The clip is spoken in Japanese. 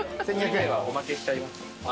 おまけしちゃいます。